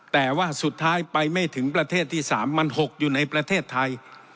แต่ว่าสุดท้ายไปไม่ถึงประเทศที่๓มัน๖อยู่ในประเทศไทย